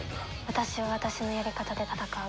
私は私のやり方で戦う。